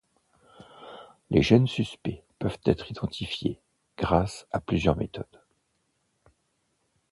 Les gènes suspects peuvent être identifiés grâce à plusieurs méthodes.